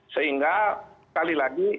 sehingga sekali lagi